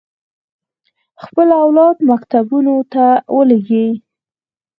خپل اولاد مکتبونو ته ولېږي.